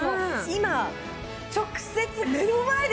今直接目の前で。